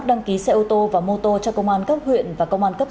là biệt số của anh ạ